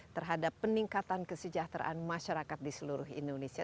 terhadap peningkatan kesejahteraan masyarakat di seluruh indonesia